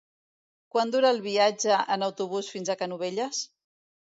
Quant dura el viatge en autobús fins a Canovelles?